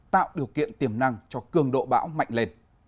tạo điều kiện tiềm năng cho cường độ bão mạnh lên